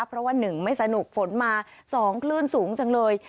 เพราะว่า๑ไม่สนุกฝนมา๒คลื่นสูงจังเลย